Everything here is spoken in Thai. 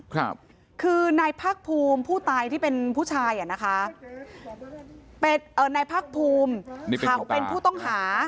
ครับคือนายภาคภูมิผู้ตายที่เป็นผู้ชายอ่ะนะคะเป็นเอ่อนายพักภูมิเขาเป็นผู้ต้องหา